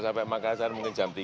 sampai makassar mungkin jam tiga